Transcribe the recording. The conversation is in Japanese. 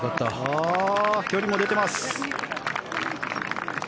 距離も出てます。